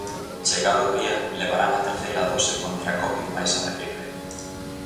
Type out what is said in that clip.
Chegado o día, levarán a terceira dose contra a Covid mais a da gripe.